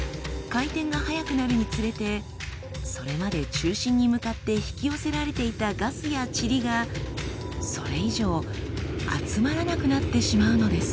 回転が速くなるにつれてそれまで中心に向かって引き寄せられていたガスや塵がそれ以上集まらなくなってしまうのです。